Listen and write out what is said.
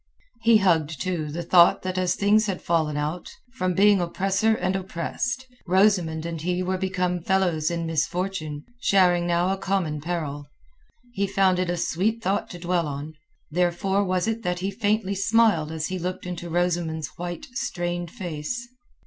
He hugged, too, the thought that as things had fallen out, from being oppressor and oppressed, Rosamund and he were become fellows in misfortune, sharing now a common peril. He found it a sweet thought to dwell on. Therefore was it that he faintly smiled as he looked into Rosamund's white, strained face.